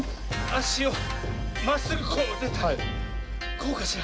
あしをまっすぐこうでこうかしら。